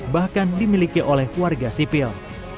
bahkan dimiliki oleh warga sipil